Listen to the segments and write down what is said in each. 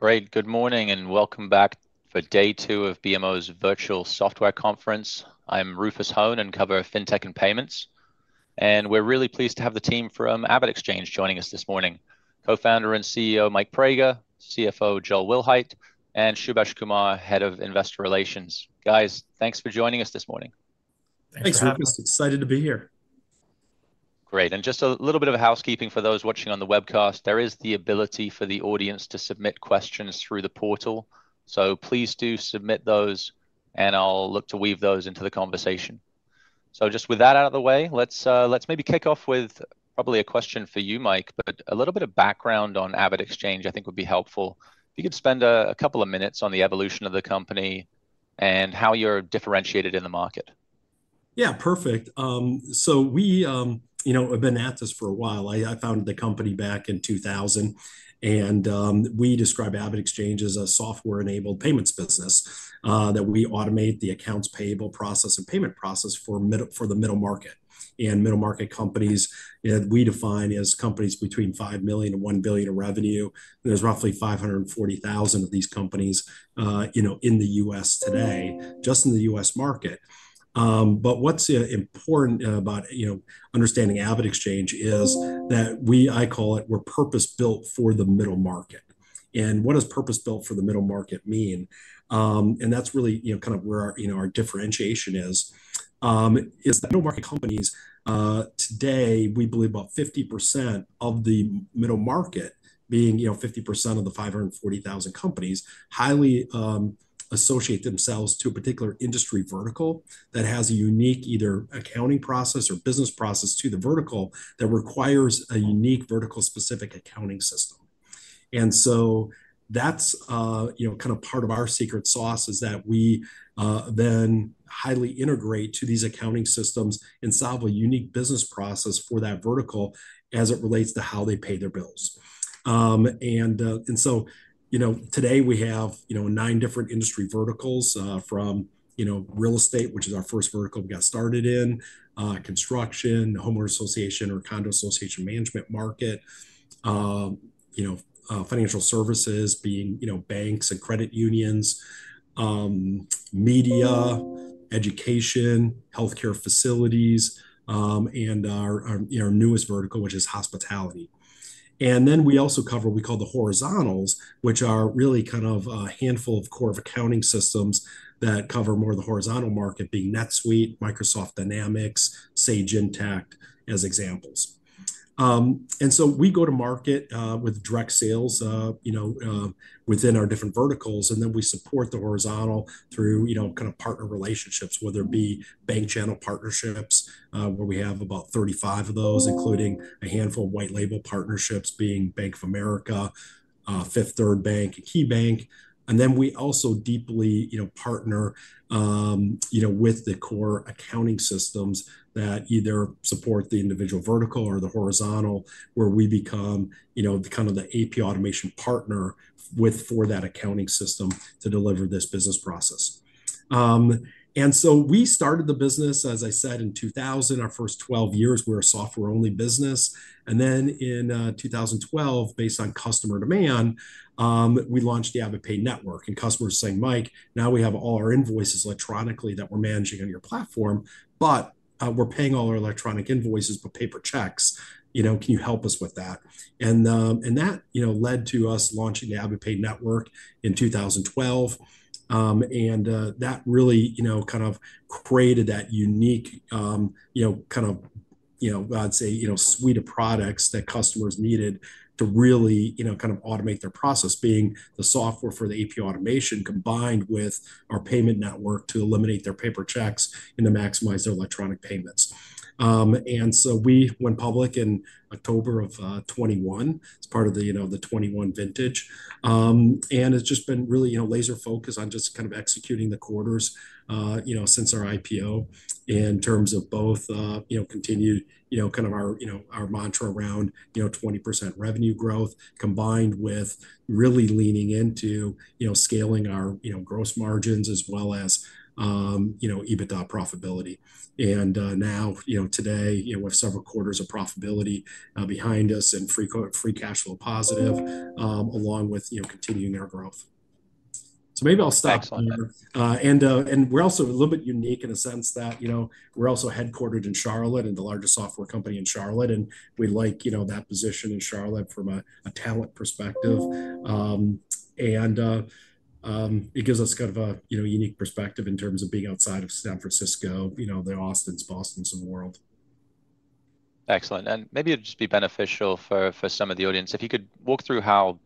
Great. Good morning and welcome back for day two of BMO's virtual software conference. I'm Rufus Hone and cover fintech and payments. We're really pleased to have the team from AvidXchange joining us this morning: Co-founder and CEO Mike Praeger, CFO Joel Wilhite, and Head of Investor Relations Subhaash Kumar. Guys, thanks for joining us this morning. Thanks, Rufus. Excited to be here. Great. And just a little bit of housekeeping for those watching on the webcast. There is the ability for the audience to submit questions through the portal. So please do submit those, and I'll look to weave those into the conversation. So just with that out of the way, let's maybe kick off with probably a question for you, Mike, but a little bit of background on AvidXchange I think would be helpful. If you could spend a couple of minutes on the evolution of the company and how you're differentiated in the market. Yeah, perfect. So we have been at this for a while. I founded the company back in 2000, and we describe AvidXchange as a software-enabled payments business that we automate the accounts payable process and payment process for the middle market. Middle market companies we define as companies between $5 million to $1 billion in revenue. There's roughly 540,000 of these companies in the U.S. today, just in the U.S. market. But what's important about understanding AvidXchange is that we, I call it, we're purpose-built for the middle market. And what does purpose-built for the middle market mean? That's really kind of where our differentiation is, is that middle market companies today, we believe about 50% of the middle market, being 50% of the 540,000 companies, highly associate themselves to a particular industry vertical that has a unique either accounting process or business process to the vertical that requires a unique vertical-specific accounting system. That's kind of part of our secret sauce is that we then highly integrate to these accounting systems and solve a unique business process for that vertical as it relates to how they pay their bills. Today we have nine different industry verticals from real estate, which is our first vertical we got started in, construction, homeowners association, or condo association management market, financial services being banks and credit unions, media, education, healthcare facilities, and our newest vertical, which is hospitality. And then we also cover what we call the horizontals, which are really kind of a handful of core accounting systems that cover more of the horizontal market being NetSuite, Microsoft Dynamics, Sage Intacct as examples. And so we go to market with direct sales within our different verticals, and then we support the horizontal through kind of partner relationships, whether it be bank channel partnerships, where we have about 35 of those, including a handful of white label partnerships being Bank of America, Fifth Third Bank, and KeyBank. And then we also deeply partner with the core accounting systems that either support the individual vertical or the horizontal, where we become kind of the AP automation partner for that accounting system to deliver this business process. And so we started the business, as I said, in 2000. Our first 12 years, we were a software-only business. And then in 2012, based on customer demand, we launched the AvidPay Network. And customers are saying, "Mike, now we have all our invoices electronically that we're managing on your platform, but we're paying all our electronic invoices with paper checks. Can you help us with that?" And that led to us launching the AvidPay Network in 2012. And that really kind of created that unique kind of, I'd say, suite of products that customers needed to really kind of automate their process, being the software for the AP automation combined with our payment network to eliminate their paper checks and to maximize their electronic payments. And so we went public in October of 2021 as part of the 2021 vintage. It's just been really laser-focused on just kind of executing the quarters since our IPO in terms of both continued kind of our mantra around 20% revenue growth combined with really leaning into scaling our gross margins as well as EBITDA profitability. Now today, we have several quarters of profitability behind us and free cash flow positive, along with continuing our growth. We're also a little bit unique in the sense that we're also headquartered in Charlotte and the largest software company in Charlotte. We like that position in Charlotte from a talent perspective. It gives us kind of a unique perspective in terms of being outside of San Francisco, the Austins, Bostons, and the world. Excellent. And maybe it'd just be beneficial for some of the audience if you could walk through how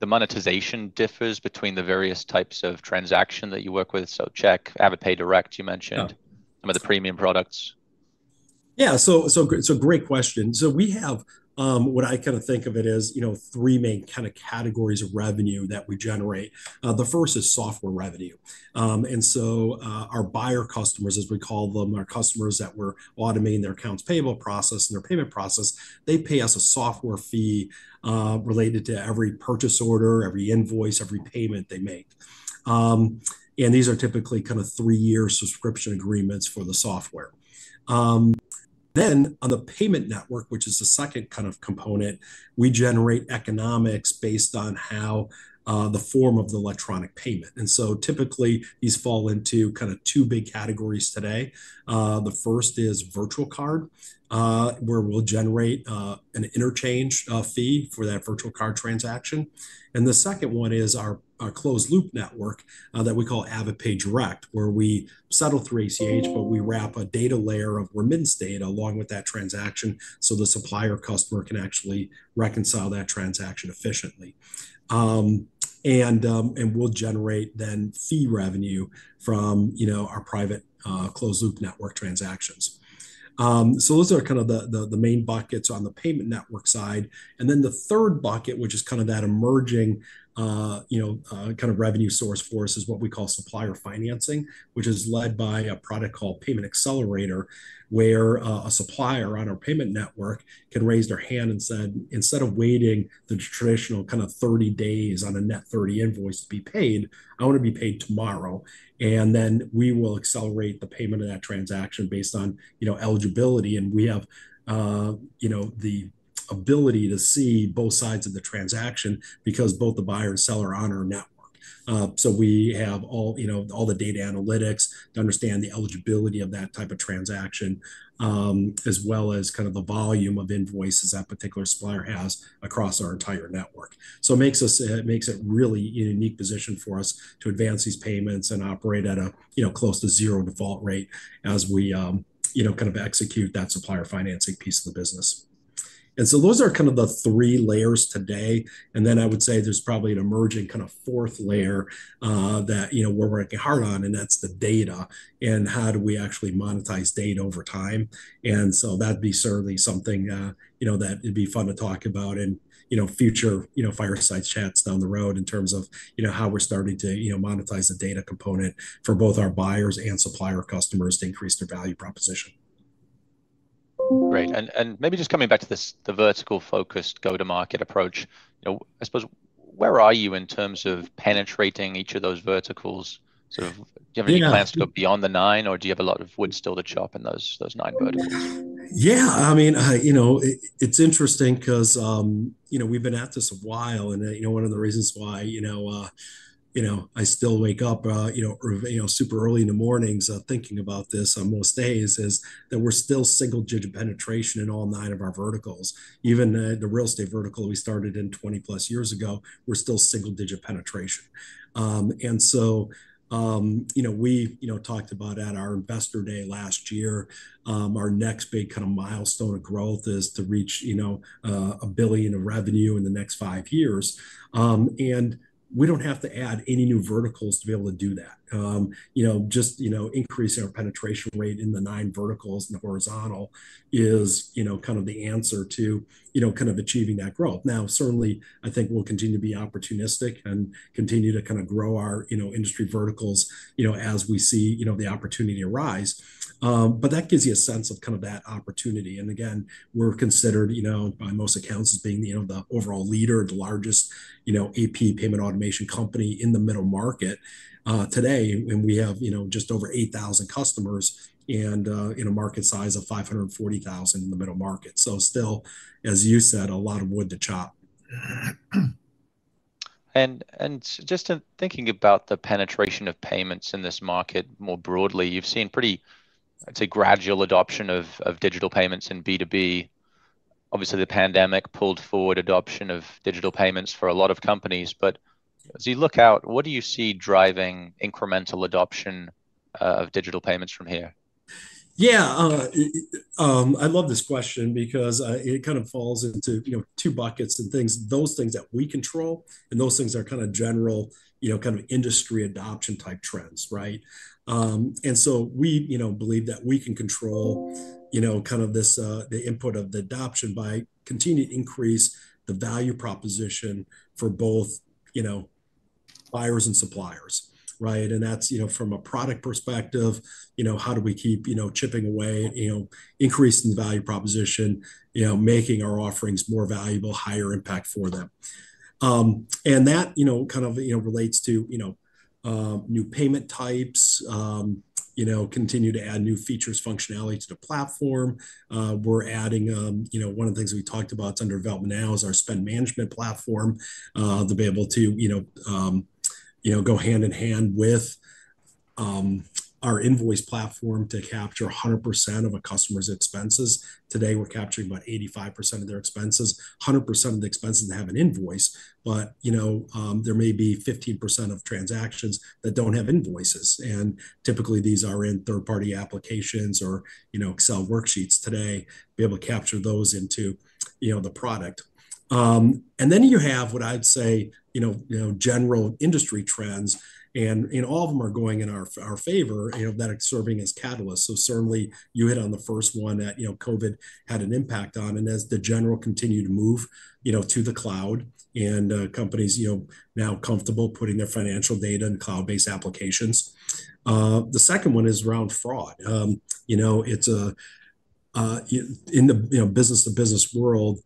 the monetization differs between the various types of transaction that you work with. So check AvidPay Direct, you mentioned, some of the premium products. Yeah. So great question. So we have what I kind of think of it as three main kind of categories of revenue that we generate. The first is software revenue. And so our buyer customers, as we call them, our customers that were automating their accounts payable process and their payment process, they pay us a software fee related to every purchase order, every invoice, every payment they make. And these are typically kind of three-year subscription agreements for the software. Then on the payment network, which is the second kind of component, we generate economics based on the form of the electronic payment. And so typically, these fall into kind of two big categories today. The first is virtual card, where we'll generate an interchange fee for that virtual card transaction. The second one is our closed-loop network that we call AvidPay Direct, where we settle through ACH, but we wrap a data layer of remittance data along with that transaction so the supplier customer can actually reconcile that transaction efficiently. We'll generate then fee revenue from our private closed-loop network transactions. Those are kind of the main buckets on the payment network side. The third bucket, which is kind of that emerging kind of revenue source for us, is what we call supplier financing, which is led by a product called Payment Accelerator, where a supplier on our payment network can raise their hand and say, "Instead of waiting the traditional kind of 30 days on a net 30 invoice to be paid, I want to be paid tomorrow." Then we will accelerate the payment of that transaction based on eligibility. We have the ability to see both sides of the transaction because both the buyer and seller are on our network. So we have all the data analytics to understand the eligibility of that type of transaction, as well as kind of the volume of invoices that particular supplier has across our entire network. So it makes it really a unique position for us to advance these payments and operate at a close to zero default rate as we kind of execute that supplier financing piece of the business. So those are kind of the three layers today. Then I would say there's probably an emerging kind of fourth layer that we're working hard on, and that's the data and how do we actually monetize data over time. So that'd be certainly something that would be fun to talk about in future fireside chats down the road in terms of how we're starting to monetize the data component for both our buyers and supplier customers to increase their value proposition. Great. Maybe just coming back to the vertical-focused go-to-market approach, I suppose, where are you in terms of penetrating each of those verticals? Do you have any plans to go beyond the nine, or do you have a lot of wood still to chop in those nine verticals? Yeah. I mean, it's interesting because we've been at this a while. One of the reasons why I still wake up super early in the mornings thinking about this on most days is that we're still single-digit penetration in all nine of our verticals. Even the real estate vertical we started in 20+ years ago, we're still single-digit penetration. We talked about at our Investor Day last year, our next big kind of milestone of growth is to reach $1 billion of revenue in the next five years. We don't have to add any new verticals to be able to do that. Just increasing our penetration rate in the nine verticals and the horizontal is kind of the answer to kind of achieving that growth. Now, certainly, I think we'll continue to be opportunistic and continue to kind of grow our industry verticals as we see the opportunity arise. But that gives you a sense of kind of that opportunity. And again, we're considered by most accounts as being the overall leader, the largest AP payment automation company in the middle market today, and we have just over 8,000 customers and a market size of 540,000 in the middle market. So still, as you said, a lot of wood to chop. Just thinking about the penetration of payments in this market more broadly, you've seen pretty, I'd say, gradual adoption of digital payments in B2B. Obviously, the pandemic pulled forward adoption of digital payments for a lot of companies. As you look out, what do you see driving incremental adoption of digital payments from here? Yeah. I love this question because it kind of falls into two buckets and things, those things that we control and those things that are kind of general kind of industry adoption-type trends, right? And so we believe that we can control kind of the input of the adoption by continuing to increase the value proposition for both buyers and suppliers, right? And that's from a product perspective, how do we keep chipping away, increasing the value proposition, making our offerings more valuable, higher impact for them? And that kind of relates to new payment types, continue to add new features, functionality to the platform. We're adding. One of the things we talked about under development now is our spend management platform to be able to go hand in hand with our invoice platform to capture 100% of a customer's expenses. Today, we're capturing about 85% of their expenses, 100% of the expenses that have an invoice, but there may be 15% of transactions that don't have invoices. And typically, these are in third-party applications or Excel worksheets today, be able to capture those into the product. And then you have what I'd say general industry trends, and all of them are going in our favor that are serving as catalysts. So certainly, you hit on the first one that COVID had an impact on, and as the general continued to move to the cloud and companies now comfortable putting their financial data in cloud-based applications. The second one is around fraud. In the business-to-business world,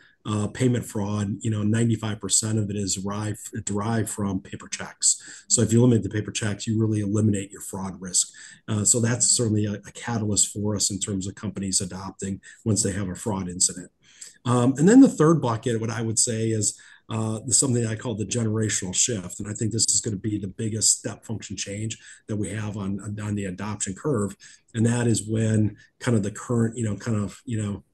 payment fraud, 95% of it is derived from paper checks. So if you limit the paper checks, you really eliminate your fraud risk. So that's certainly a catalyst for us in terms of companies adopting once they have a fraud incident. And then the third bucket, what I would say, is something I call the generational shift. And I think this is going to be the biggest step function change that we have on the adoption curve. And that is when kind of the current kind of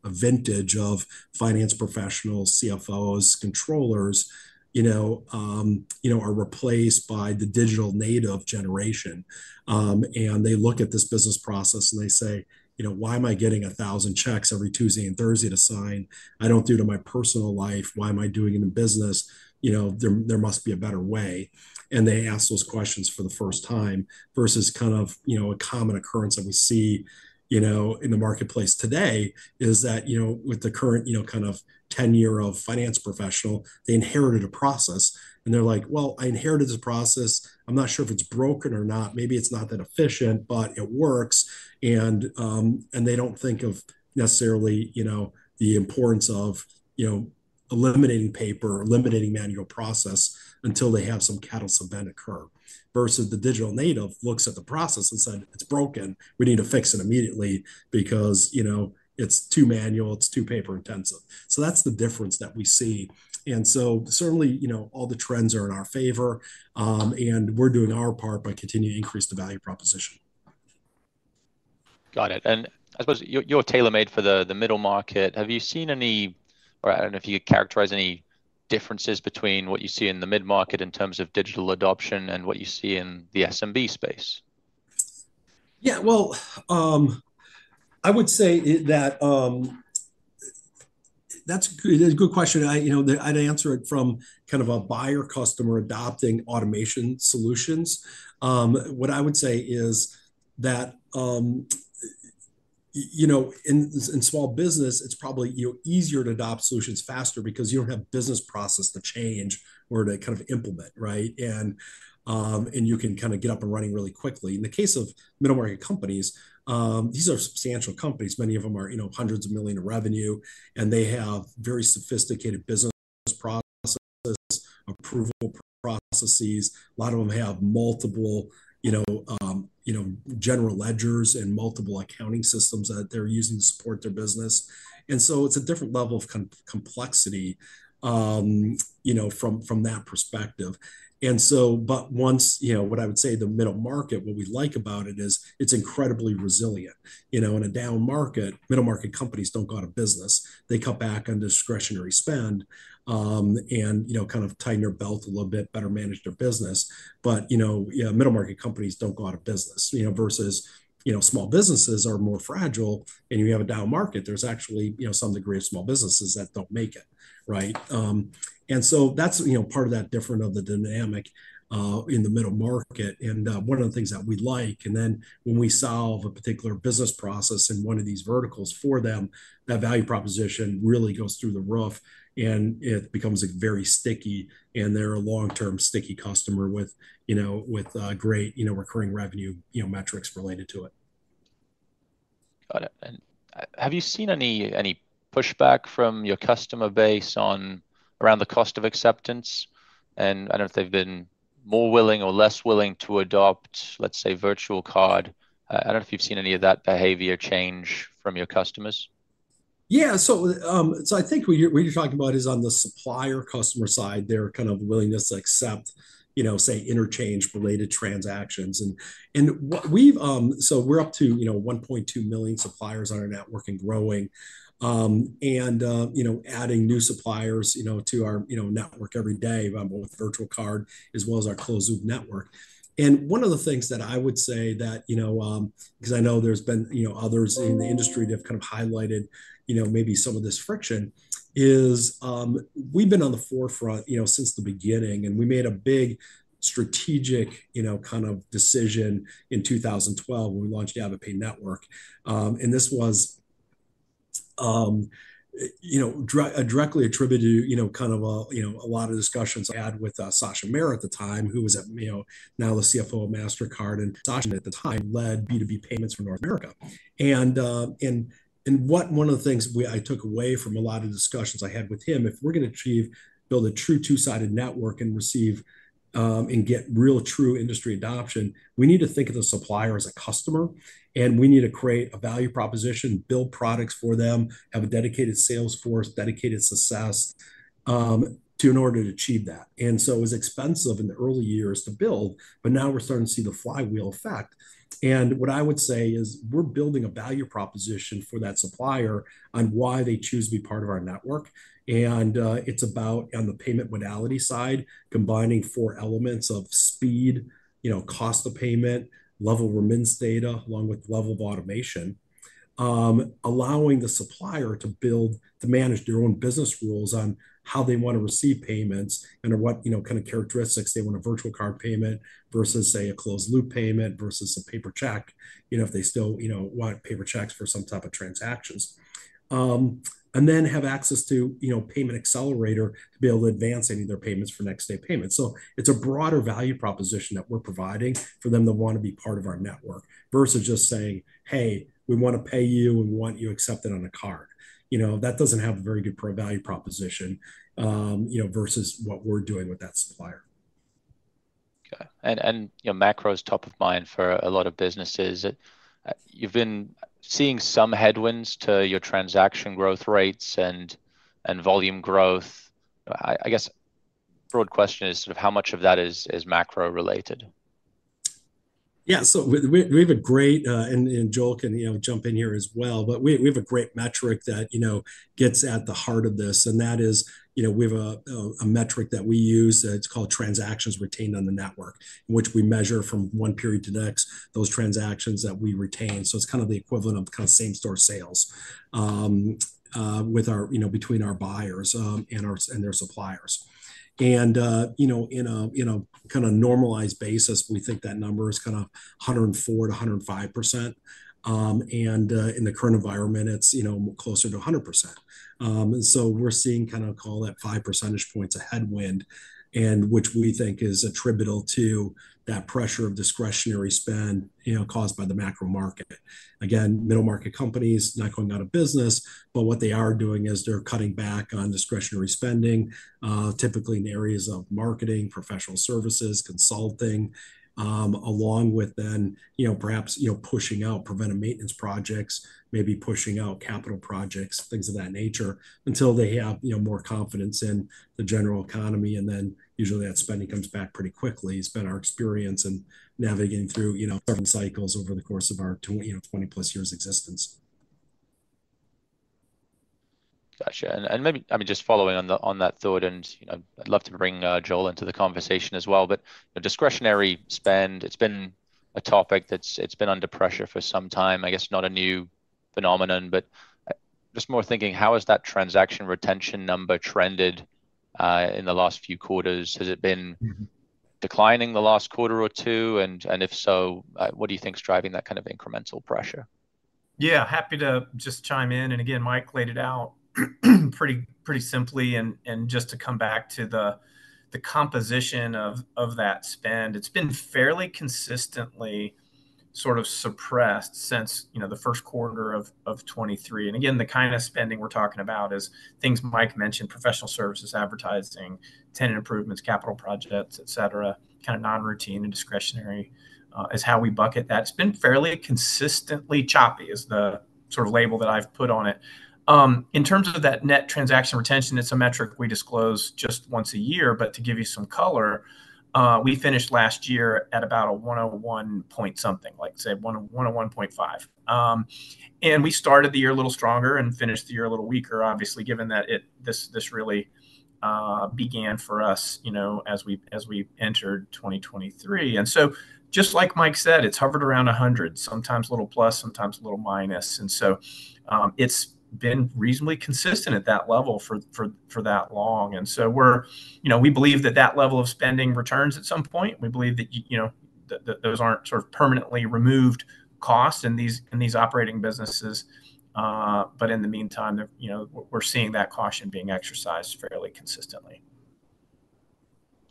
vintage of finance professionals, CFOs, controllers are replaced by the digital native generation. And they look at this business process and they say, "Why am I getting 1,000 checks every Tuesday and Thursday to sign? I don't do it in my personal life. Why am I doing it in business? There must be a better way." They ask those questions for the first time versus kind of a common occurrence that we see in the marketplace today is that with the current kind of tenure of finance professional, they inherited a process. They're like, "Well, I inherited this process. I'm not sure if it's broken or not. Maybe it's not that efficient, but it works." They don't think of necessarily the importance of eliminating paper or eliminating manual process until they have some catalyst event occur versus the digital native looks at the process and said, "It's broken. We need to fix it immediately because it's too manual. It's too paper intensive." That's the difference that we see. Certainly, all the trends are in our favor, and we're doing our part by continuing to increase the value proposition. Got it. And I suppose you're tailor-made for the middle market. Have you seen any, or I don't know if you could characterize any differences between what you see in the mid-market in terms of digital adoption and what you see in the SMB space? Yeah. Well, I would say that that's a good question. I'd answer it from kind of a buyer customer adopting automation solutions. What I would say is that in small business, it's probably easier to adopt solutions faster because you don't have business process to change or to kind of implement, right? And you can kind of get up and running really quickly. In the case of middle-market companies, these are substantial companies. Many of them are hundreds of millions in revenue, and they have very sophisticated business processes, approval processes. A lot of them have multiple general ledgers and multiple accounting systems that they're using to support their business. And so it's a different level of complexity from that perspective. But once what I would say the middle market, what we like about it is it's incredibly resilient. In a down market, middle-market companies don't go out of business. They cut back on discretionary spend and kind of tighten their belt a little bit, better manage their business. But middle-market companies don't go out of business versus small businesses are more fragile. And you have a down market. There's actually some degree of small businesses that don't make it, right? And so that's part of that different of the dynamic in the middle market. And one of the things that we like, and then when we solve a particular business process in one of these verticals for them, that value proposition really goes through the roof, and it becomes very sticky, and they're a long-term sticky customer with great recurring revenue metrics related to it. Got it. Have you seen any pushback from your customer base around the cost of acceptance? I don't know if they've been more willing or less willing to adopt, let's say, virtual card. I don't know if you've seen any of that behavior change from your customers. Yeah. So I think what you're talking about is on the supplier customer side, their kind of willingness to accept, say, interchange-related transactions. And so we're up to 1.2 million suppliers on our network and growing and adding new suppliers to our network every day with virtual card as well as our closed-loop network. And one of the things that I would say that because I know there's been others in the industry that have kind of highlighted maybe some of this friction is we've been on the forefront since the beginning, and we made a big strategic kind of decision in 2012 when we launched the AvidPay Network. And this was directly attributed to kind of a lot of discussions had with Sachin Mehra at the time, who is now the CFO of Mastercard. And Sachin Mehra at the time led B2B payments for North America. One of the things I took away from a lot of discussions I had with him, if we're going to build a true two-sided network and get real true industry adoption, we need to think of the supplier as a customer, and we need to create a value proposition, build products for them, have a dedicated Salesforce, dedicated success in order to achieve that. And so it was expensive in the early years to build, but now we're starting to see the flywheel effect. And what I would say is we're building a value proposition for that supplier on why they choose to be part of our network. It's about, on the payment modality side, combining four elements of speed, cost of payment, level of remittance data, along with level of automation, allowing the supplier to manage their own business rules on how they want to receive payments and what kind of characteristics they want a virtual card payment versus, say, a closed-loop payment versus a paper check if they still want paper checks for some type of transactions, and then have access to Payment Accelerator to be able to advance any of their payments for next-day payments. So it's a broader value proposition that we're providing for them that want to be part of our network versus just saying, "Hey, we want to pay you. We want you accepted on a card." That doesn't have a very good value proposition versus what we're doing with that supplier. Got it. Macro is top of mind for a lot of businesses. You've been seeing some headwinds to your transaction growth rates and volume growth. I guess broad question is sort of how much of that is macro-related? Yeah. So we have a great, and Joel can jump in here as well, but we have a great metric that gets at the heart of this. And that is we have a metric that we use. It's called transactions retained on the network, which we measure from one period to the next, those transactions that we retain. So it's kind of the equivalent of kind of same-store sales between our buyers and their suppliers. And on a kind of normalized basis, we think that number is kind of 104%-105%. And in the current environment, it's closer to 100%. And so we're seeing kind of, I'll call that five percentage points a headwind, which we think is attributable to that pressure of discretionary spend caused by the macro market. Again, middle-market companies not going out of business, but what they are doing is they're cutting back on discretionary spending, typically in areas of marketing, professional services, consulting, along with then perhaps pushing out preventive maintenance projects, maybe pushing out capital projects, things of that nature until they have more confidence in the general economy. Then usually that spending comes back pretty quickly. It's been our experience in navigating through cycles over the course of our 20+ years' existence. Gotcha. And maybe just following on that thought, and I'd love to bring Joel into the conversation as well. But discretionary spend, it's been a topic that's been under pressure for some time. I guess not a new phenomenon, but just more thinking, how has that transaction retention number trended in the last few quarters? Has it been declining the last quarter or two? And if so, what do you think's driving that kind of incremental pressure? Yeah. Happy to just chime in. And again, Mike laid it out pretty simply. And just to come back to the composition of that spend, it's been fairly consistently sort of suppressed since the first quarter of 2023. And again, the kind of spending we're talking about is things Mike mentioned, professional services, advertising, tenant improvements, capital projects, etc., kind of non-routine and discretionary is how we bucket that. It's been fairly consistently choppy is the sort of label that I've put on it. In terms of that net transaction retention, it's a metric we disclose just once a year. But to give you some color, we finished last year at about 101.5. And we started the year a little stronger and finished the year a little weaker, obviously, given that this really began for us as we entered 2023. And so just like Mike said, it's hovered around 100, sometimes a little plus, sometimes a little minus. And so it's been reasonably consistent at that level for that long. And so we believe that that level of spending returns at some point. We believe that those aren't sort of permanently removed costs in these operating businesses. But in the meantime, we're seeing that caution being exercised fairly consistently.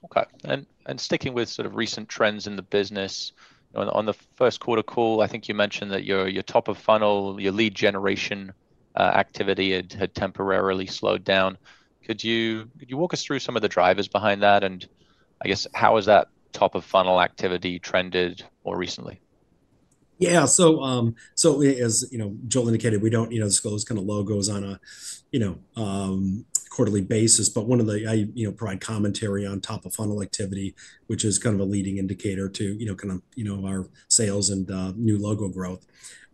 Okay. Sticking with sort of recent trends in the business, on the first quarter call, I think you mentioned that your top-of-funnel, your lead generation activity had temporarily slowed down. Could you walk us through some of the drivers behind that? And I guess how has that top-of-funnel activity trended more recently? Yeah. So as Joel indicated, we don't disclose kind of logos on a quarterly basis, but one of the—I provide commentary on top-of-funnel activity, which is kind of a leading indicator to kind of our sales and new logo growth.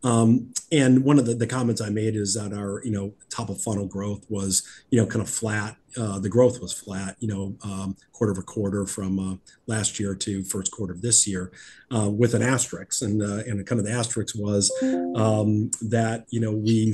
And one of the comments I made is that our top-of-funnel growth was kind of flat. The growth was flat quarter-over-quarter from last year to first quarter of this year with an asterisk. And kind of the asterisk was that we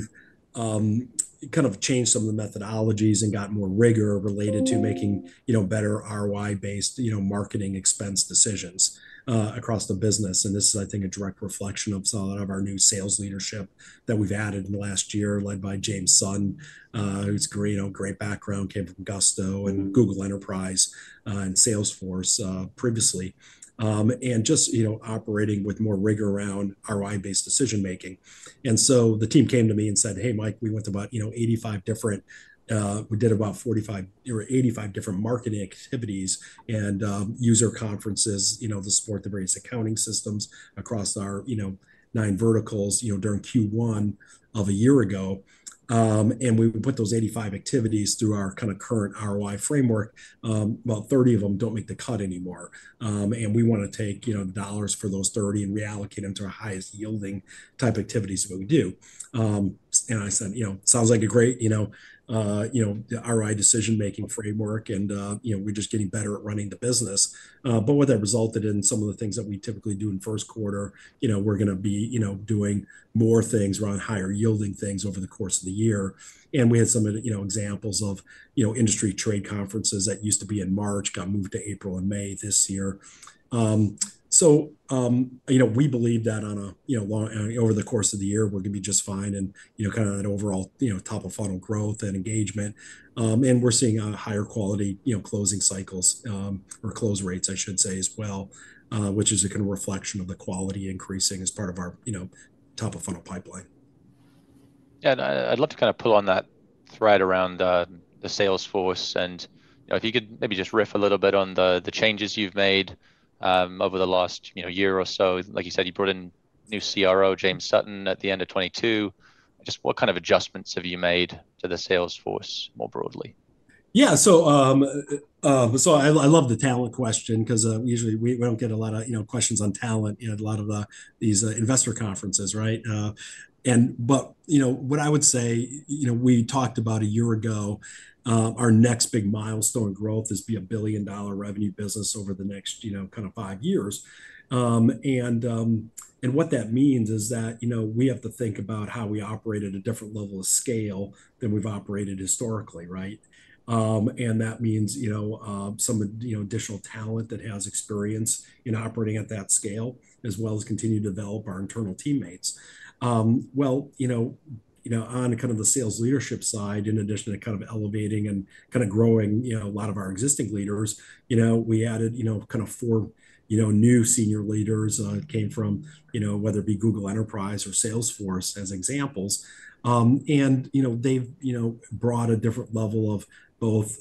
kind of changed some of the methodologies and got more rigor related to making better ROI-based marketing expense decisions across the business. This is, I think, a direct reflection of some of our new sales leadership that we've added in the last year, led by James Sutton, who's great background, came from Gusto and Google Enterprise and Salesforce previously, and just operating with more rigor around ROI-based decision-making. And so the team came to me and said, "Hey, Mike, we did about 85 different marketing activities and user conferences to support the various accounting systems across our nine verticals during Q1 of a year ago." And we put those 85 activities through our kind of current ROI framework. About 30 of them don't make the cut anymore. And we want to take dollars for those 30 and reallocate them to our highest-yielding type activities that we do. And I said, "Sounds like a great ROI decision-making framework, and we're just getting better at running the business." But what that resulted in, some of the things that we typically do in first quarter, we're going to be doing more things around higher-yielding things over the course of the year. And we had some examples of industry trade conferences that used to be in March got moved to April and May this year. So we believe that over the course of the year, we're going to be just fine in kind of that overall top-of-funnel growth and engagement. And we're seeing higher quality closing cycles or close rates, I should say, as well, which is a kind of reflection of the quality increasing as part of our top-of-funnel pipeline. Yeah. I'd love to kind of pull on that thread around the Salesforce. And if you could maybe just riff a little bit on the changes you've made over the last year or so. Like you said, you brought in new CRO, James Sutton, at the end of 2022. Just what kind of adjustments have you made to the Salesforce more broadly? Yeah. So I love the talent question because usually we don't get a lot of questions on talent at a lot of these investor conferences, right? But what I would say, we talked about a year ago, our next big milestone growth is to be a billion-dollar revenue business over the next kind of 5 years. And what that means is that we have to think about how we operate at a different level of scale than we've operated historically, right? And that means some additional talent that has experience in operating at that scale as well as continue to develop our internal teammates. Well, on kind of the sales leadership side, in addition to kind of elevating and kind of growing a lot of our existing leaders, we added kind of 4 new senior leaders that came from whether it be Google Enterprise or Salesforce as examples. They've brought a different level of both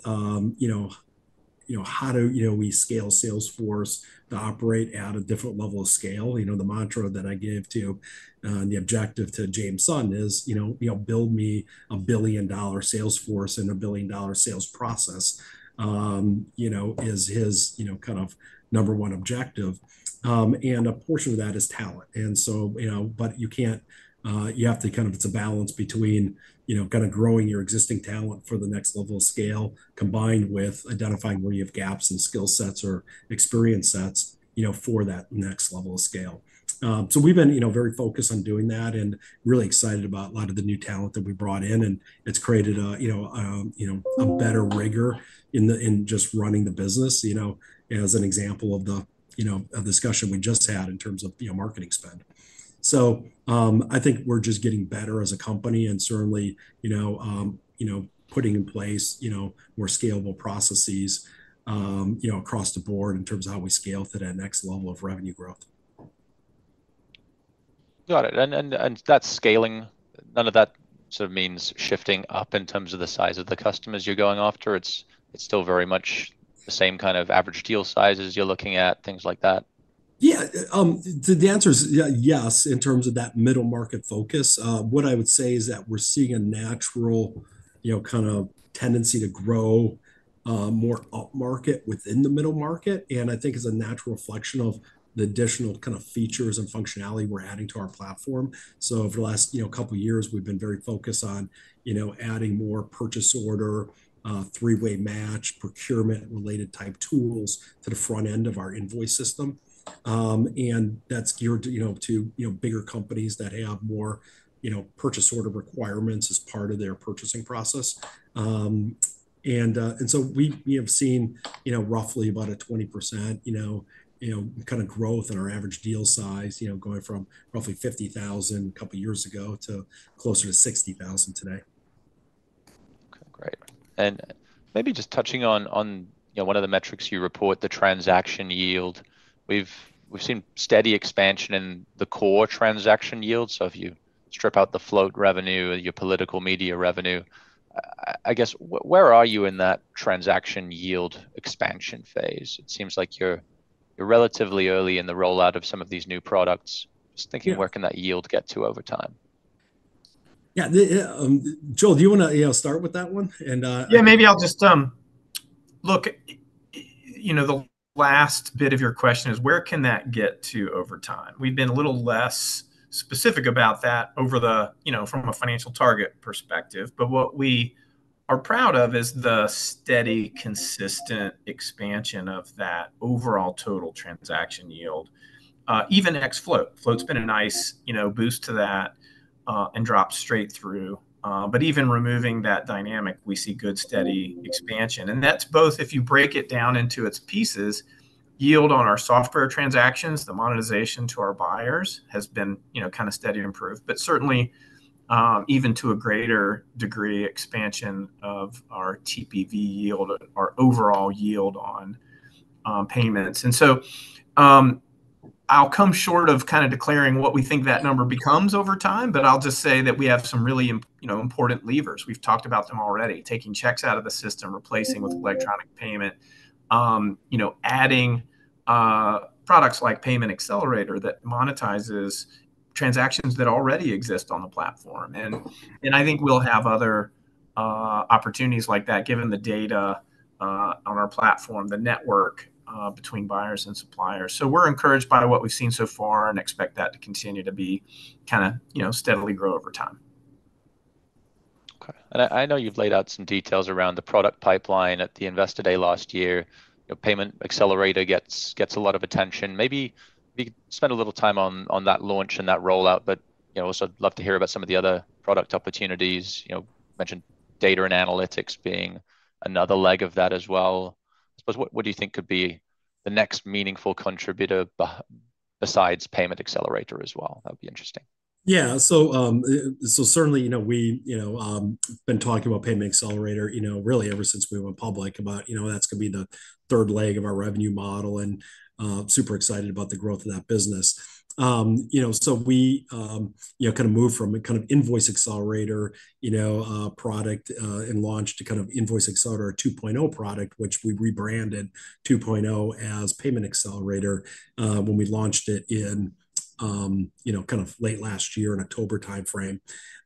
how do we scale Salesforce to operate at a different level of scale. The mantra that I gave to the objective to James Sutton is, "Build me a billion-dollar Salesforce and a billion-dollar sales process," is his kind of number one objective. A portion of that is talent. So, but you have to kind of, it's a balance between kind of growing your existing talent for the next level of scale combined with identifying where you have gaps in skill sets or experience sets for that next level of scale. We've been very focused on doing that and really excited about a lot of the new talent that we brought in. It's created a better rigor in just running the business as an example of the discussion we just had in terms of marketing spend. I think we're just getting better as a company and certainly putting in place more scalable processes across the board in terms of how we scale to that next level of revenue growth. Got it. That's scaling. None of that sort of means shifting up in terms of the size of the customers you're going after. It's still very much the same kind of average deal sizes you're looking at, things like that? Yeah. The answer is yes in terms of that middle market focus. What I would say is that we're seeing a natural kind of tendency to grow more upmarket within the middle market. And I think it's a natural reflection of the additional kind of features and functionality we're adding to our platform. So over the last couple of years, we've been very focused on adding more purchase order, three-way match, procurement-related type tools to the front end of our invoice system. And that's geared to bigger companies that have more purchase order requirements as part of their purchasing process. And so we have seen roughly about a 20% kind of growth in our average deal size going from roughly $50,000 a couple of years ago to closer to $60,000 today. Okay. Great. And maybe just touching on one of the metrics you report, the transaction yield. We've seen steady expansion in the core transaction yield. So if you strip out the float revenue, your political media revenue, I guess, where are you in that transaction yield expansion phase? It seems like you're relatively early in the rollout of some of these new products. Just thinking, where can that yield get to over time? Yeah. Joel, do you want to start with that one? Yeah. Maybe I'll just look. The last bit of your question is, where can that get to over time? We've been a little less specific about that from a financial target perspective. But what we are proud of is the steady, consistent expansion of that overall total transaction yield, even ex-float. Float's been a nice boost to that and drops straight through. But even removing that dynamic, we see good steady expansion. And that's both if you break it down into its pieces, yield on our software transactions, the monetization to our buyers has been kind of steady to improve, but certainly even to a greater degree expansion of our TPV yield, our overall yield on payments. And so I'll come short of kind of declaring what we think that number becomes over time, but I'll just say that we have some really important levers. We've talked about them already, taking checks out of the system, replacing with electronic payment, adding products like Payment Accelerator that monetizes transactions that already exist on the platform. I think we'll have other opportunities like that given the data on our platform, the network between buyers and suppliers. We're encouraged by what we've seen so far and expect that to continue to be kind of steadily grow over time. Okay. I know you've laid out some details around the product pipeline at the Investor Day last year. Payment Accelerator gets a lot of attention. Maybe we could spend a little time on that launch and that rollout, but also I'd love to hear about some of the other product opportunities. You mentioned data and analytics being another leg of that as well. I suppose, what do you think could be the next meaningful contributor besides Payment Accelerator as well? That'd be interesting. Yeah. So certainly, we've been talking about Payment Accelerator really ever since we went public about that's going to be the third leg of our revenue model and super excited about the growth of that business. So we kind of moved from a kind of Invoice Accelerator product and launched to kind of Invoice Accelerator 2.0 product, which we rebranded 2.0 as Payment Accelerator when we launched it in kind of late last year in October timeframe.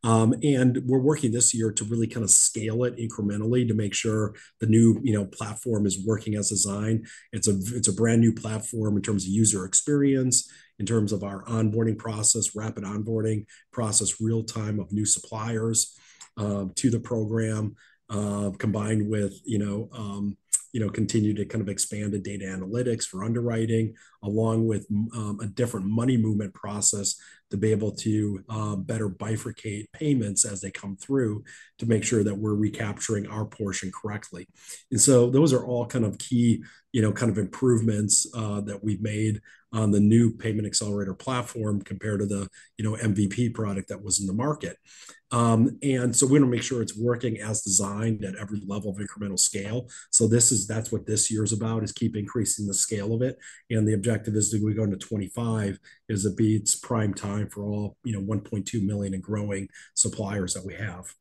And we're working this year to really kind of scale it incrementally to make sure the new platform is working as designed. It's a brand new platform in terms of user experience, in terms of our onboarding process, rapid onboarding process, real-time of new suppliers to the program, combined with continue to kind of expand the data analytics for underwriting, along with a different money movement process to be able to better bifurcate payments as they come through to make sure that we're recapturing our portion correctly. Those are all kind of key kind of improvements that we've made on the new Payment Accelerator platform compared to the MVP product that was in the market. We want to make sure it's working as designed at every level of incremental scale. That's what this year is about, is keep increasing the scale of it. The objective is, do we go into 2025? Is it B2B's prime time for all 1.2 million and growing suppliers that we have?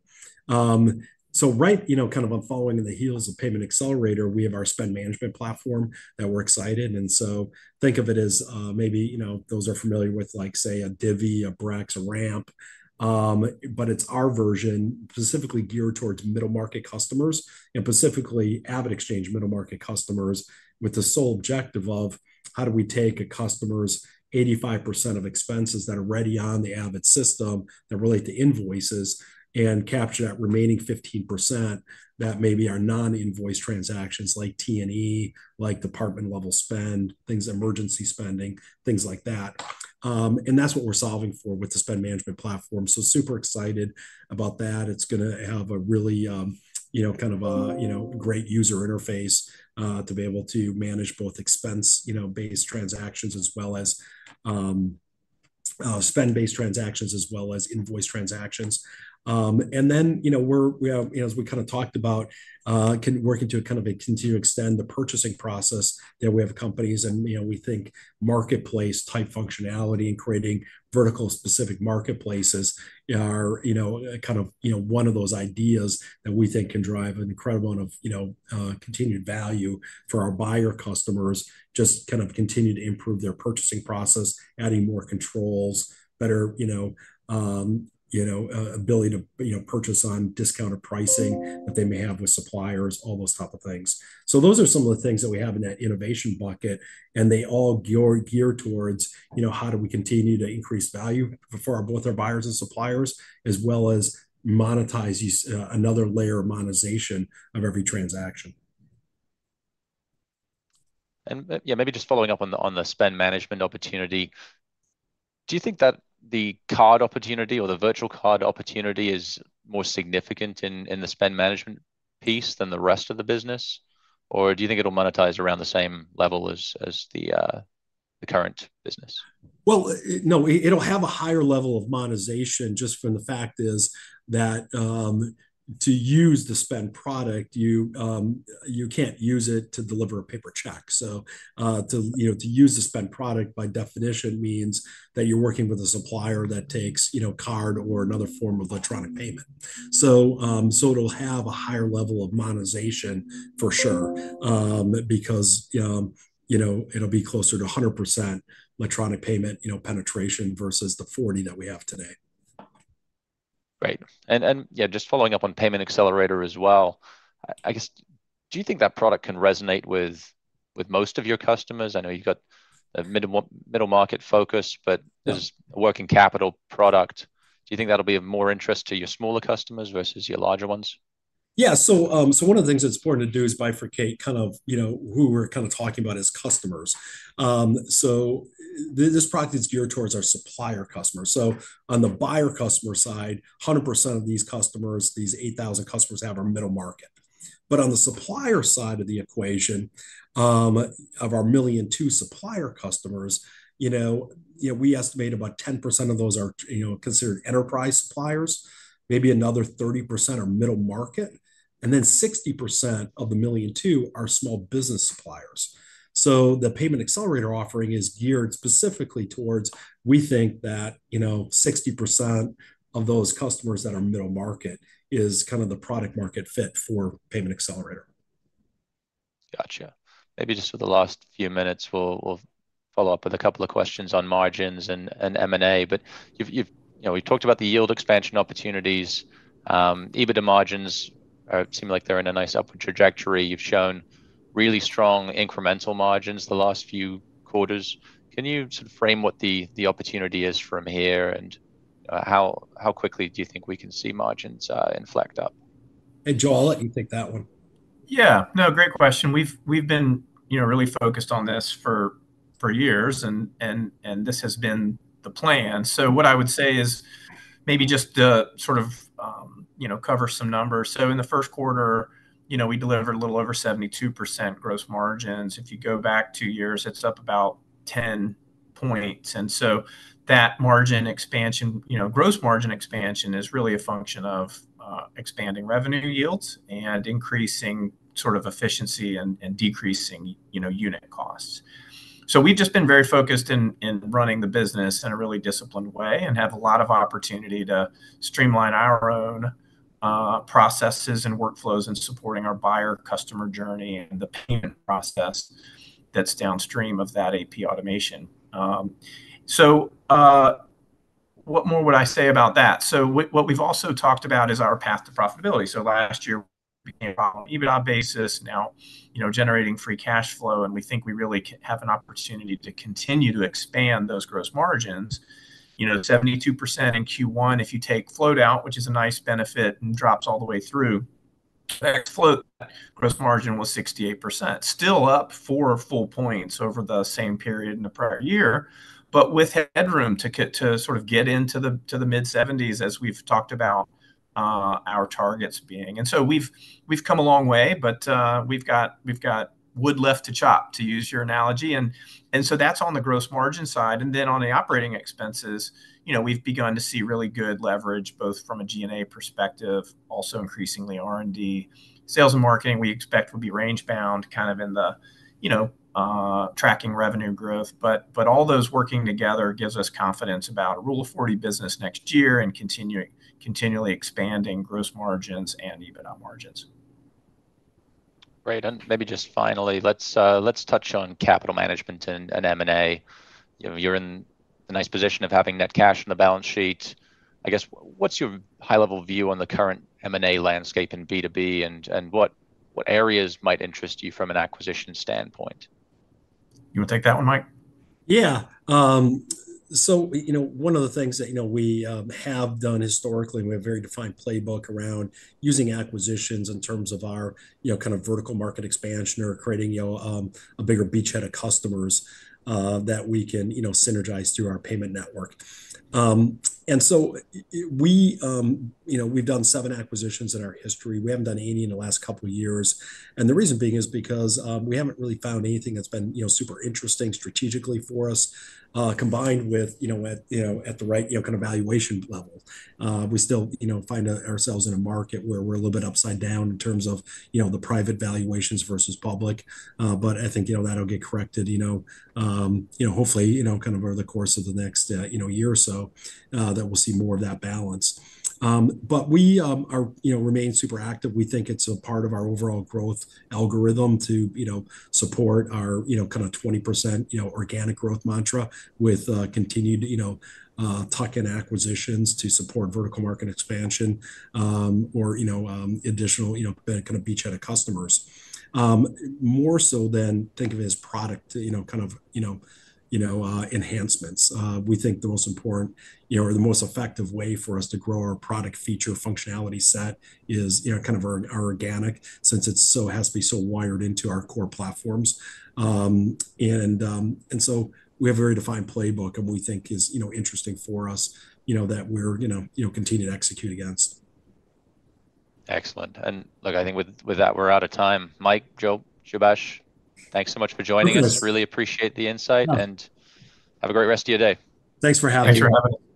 So right kind of following on the heels of Payment Accelerator, we have our spend management platform that we're excited. And so think of it as maybe those who are familiar with, say, a Divvy, a Brex, a Ramp, but it's our version specifically geared towards middle market customers and specifically AvidXchange middle market customers with the sole objective of how do we take a customer's 85% of expenses that are already on the Avid system that relate to invoices and capture that remaining 15% that may be our non-invoice transactions like T&E, like department-level spend, things, emergency spending, things like that. And that's what we're solving for with the spend management platform. So super excited about that. It's going to have a really kind of a great user interface to be able to manage both expense-based transactions as well as spend-based transactions as well as invoice transactions. And then we have, as we kind of talked about, working to kind of continue to extend the purchasing process that we have companies. And we think marketplace-type functionality and creating vertical-specific marketplaces are kind of one of those ideas that we think can drive an incredible amount of continued value for our buyer customers, just kind of continue to improve their purchasing process, adding more controls, better ability to purchase on discounted pricing that they may have with suppliers, all those types of things. So those are some of the things that we have in that innovation bucket. They all gear towards how do we continue to increase value for both our buyers and suppliers as well as monetize another layer of monetization of every transaction. Yeah, maybe just following up on the spend management opportunity, do you think that the card opportunity or the virtual card opportunity is more significant in the spend management piece than the rest of the business? Or do you think it'll monetize around the same level as the current business? Well, no, it'll have a higher level of monetization just from the fact that to use the spend product, you can't use it to deliver a paper check. So to use the spend product by definition means that you're working with a supplier that takes card or another form of electronic payment. So it'll have a higher level of monetization for sure because it'll be closer to 100% electronic payment penetration versus the 40% that we have today. Great. And yeah, just following up on Payment Accelerator as well, I guess, do you think that product can resonate with most of your customers? I know you've got a middle market focus, but this is a working capital product. Do you think that'll be of more interest to your smaller customers versus your larger ones? Yeah. So one of the things that's important to do is bifurcate kind of who we're kind of talking about as customers. So this product is geared towards our supplier customers. So on the buyer customer side, 100% of these customers, these 8,000 customers have our middle market. But on the supplier side of the equation of our 1.2 million supplier customers, we estimate about 10% of those are considered enterprise suppliers, maybe another 30% are middle market, and then 60% of the 1.2 million are small business suppliers. So the Payment Accelerator offering is geared specifically towards we think that 60% of those customers that are middle market is kind of the product-market fit for Payment Accelerator. Gotcha. Maybe just for the last few minutes, we'll follow up with a couple of questions on margins and M&A. But we've talked about the yield expansion opportunities. EBITDA margins seem like they're in a nice upward trajectory. You've shown really strong incremental margins the last few quarters. Can you sort of frame what the opportunity is from here and how quickly do you think we can see margins inflect up? Hey, Joel, let me take that one. Yeah. No, great question. We've been really focused on this for years, and this has been the plan. So what I would say is maybe just to sort of cover some numbers. So in the first quarter, we delivered a little over 72% gross margins. If you go back two years, it's up about 10 points. And so that margin expansion, gross margin expansion is really a function of expanding revenue yields and increasing sort of efficiency and decreasing unit costs. So we've just been very focused in running the business in a really disciplined way and have a lot of opportunity to streamline our own processes and workflows and supporting our buyer customer journey and the payment process that's downstream of that AP automation. So what more would I say about that? So what we've also talked about is our path to profitability. So last year, we began on an EBITDA basis, now generating free cash flow, and we think we really have an opportunity to continue to expand those gross margins. 72% in Q1, if you take float out, which is a nice benefit and drops all the way through, that gross margin was 68%, still up four full points over the same period in the prior year, but with headroom to sort of get into the mid-70s as we've talked about our targets being. And so we've come a long way, but we've got wood left to chop, to use your analogy. And so that's on the gross margin side. And then on the operating expenses, we've begun to see really good leverage both from a G&A perspective, also increasingly R&D. Sales and marketing, we expect will be range-bound kind of in the tracking revenue growth. But all those working together gives us confidence about a Rule of 40 business next year and continually expanding gross margins and EBITDA margins. Great. Maybe just finally, let's touch on capital management and M&A. You're in a nice position of having net cash on the balance sheet. I guess, what's your high-level view on the current M&A landscape in B2B, and what areas might interest you from an acquisition standpoint? You want to take that one, Mike? Yeah. So one of the things that we have done historically, and we have a very defined playbook around using acquisitions in terms of our kind of vertical market expansion or creating a bigger beachhead of customers that we can synergize through our payment network. And so we've done seven acquisitions in our history. We haven't done any in the last couple of years. And the reason being is because we haven't really found anything that's been super interesting strategically for us, combined with at the right kind of valuation level. We still find ourselves in a market where we're a little bit upside down in terms of the private valuations versus public. But I think that'll get corrected, hopefully, kind of over the course of the next year or so that we'll see more of that balance. But we remain super active. We think it's a part of our overall growth algorithm to support our kind of 20% organic growth mantra with continued tuck-in acquisitions to support vertical market expansion or additional kind of beachhead of customers, more so than think of it as product kind of enhancements. We think the most important or the most effective way for us to grow our product feature functionality set is kind of our organic since it has to be so wired into our core platforms. So we have a very defined playbook, and we think is interesting for us that we're continuing to execute against. Excellent. And look, I think with that, we're out of time. Mike, Joel, Subhaash, thanks so much for joining us. Really appreciate the insight, and have a great rest of your day. Thanks for having me. Thanks for having me.